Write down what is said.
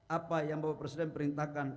apa yang bapak presiden perintahkan